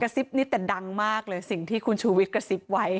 ซิบนี้แต่ดังมากเลยสิ่งที่คุณชูวิทย์กระซิบไว้